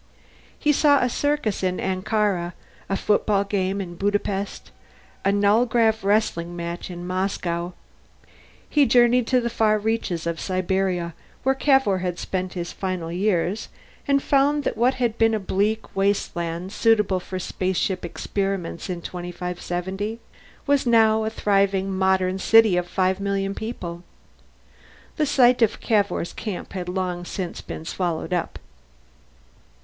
He saw a circus in Ankara, a football game in Budapest, a nullgrav wrestling match in Moscow. He journeyed to the far reaches of Siberia, where Cavour had spent his final years, and found that what had been a bleak wasteland suitable for spaceship experiments in 2570 was now a thriving modern city of five million people. The site of Cavour's camp had long since been swallowed up.